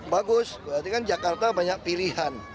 bagus berarti kan jakarta banyak pilihan